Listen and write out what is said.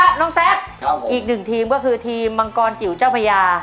น้องแซคอีกหนึ่งทีมก็คือทีมมังกรจิ๋วเจ้าพญา